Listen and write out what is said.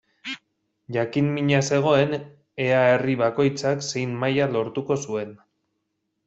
Jakin-mina zegoen ea herri bakoitzak zein maila lortuko zuen.